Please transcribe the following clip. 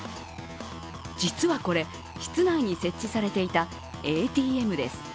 実はこれ室内に設置されていたＡＴＭです。